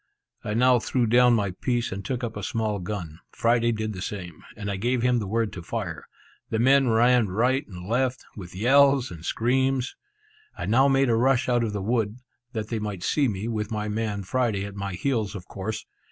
I now threw down my piece, and took up a small gun; Friday did the same; and I gave him the word to fire! The men ran right and left, with yells and screams. I now made a rush out of the wood, that they might see me, with my man Friday at my heels, of course.